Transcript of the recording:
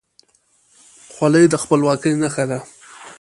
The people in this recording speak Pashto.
خولۍ د خپلواکۍ نښه ده.